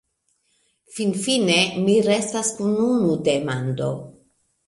Finfine, mi restas kun unu demando.